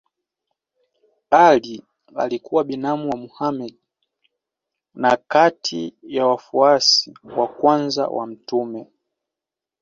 Ali alikuwa binamu wa Mohammed na kati ya wafuasi wa kwanza wa mtume.